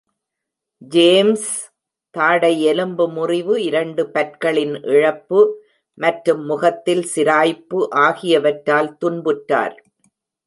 James தாடை எலும்பு முறிவு, இரண்டு பற்களின் இழப்பு மற்றும் முகத்தில் சிராய்ப்பு ஆகியவற்றால் துன்புற்றார்.